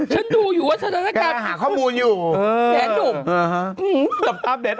ฉันดูอยู่ว่าสถานการณ์